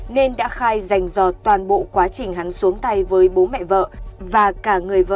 nên đã khai dành do toàn bộ quá trình hắn xuống tay với bố mẹ vợ